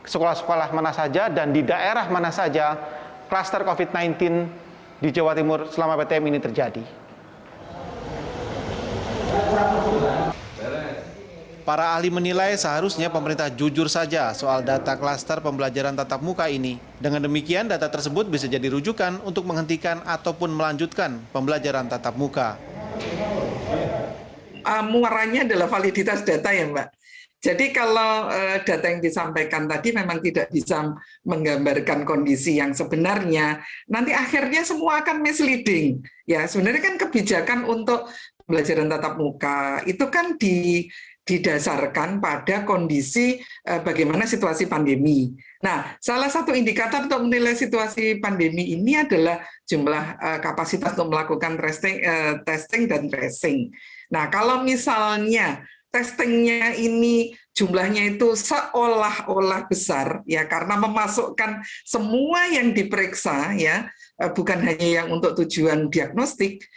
sekolah sekolah mana saja dan di daerah mana saja kluster covid sembilan belas di jawa timur selama ptm ini terjadi